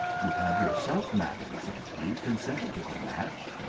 You have yourself, madam,' said he, 'consented to the match.